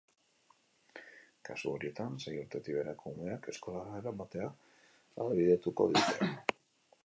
Kasu horietan, sei urtetik beherako umeak eskolara eramatea ahalbidetuko dute.